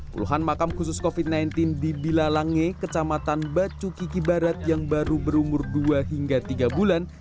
puluhan makam khusus covid sembilan belas di bilalangge kecamatan bacu kiki barat yang baru berumur dua hingga tiga bulan